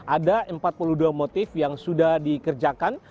ada empat puluh dua motif yang sudah dikerjakan